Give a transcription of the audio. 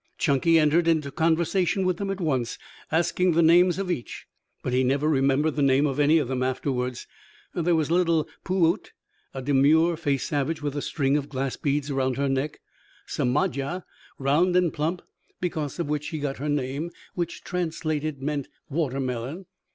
Chunky entered into conversation with them at once, asking the names of each, but he never remembered the name of any of them afterwards. There was little Pu ut, a demure faced savage with a string of glass beads around her neck; Somaja, round and plump, because of which she got her name, which, translated meant "watermelon."